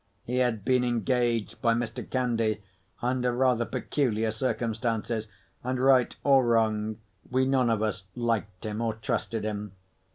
He had been engaged by Mr. Candy under rather peculiar circumstances; and, right or wrong, we none of us liked him or trusted him.